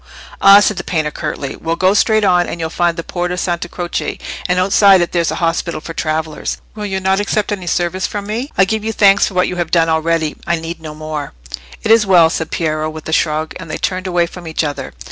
"Ah!" said the painter, curtly. "Well, go straight on, and you'll find the Porta Santa Croce, and outside it there's an hospital for travellers. So you'll not accept any service from me?" "I give you thanks for what you have done already. I need no more." "It is well," said Piero, with a shrug, and they turned away from each other.